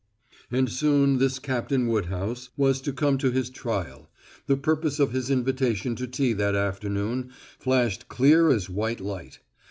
And soon this Captain Woodhouse was to come to his trial the purpose of his invitation to tea that afternoon flashed clear as white light.